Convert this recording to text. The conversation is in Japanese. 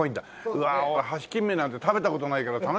うわあハシキンメなんて食べた事ないから楽しみだな！